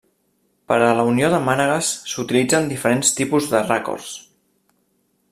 Per a la unió de mànegues s'utilitzen diferents tipus de ràcords.